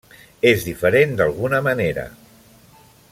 És diferent d'alguna manera.